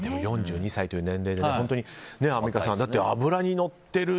４２歳という年齢でアンミカさん、脂がのってる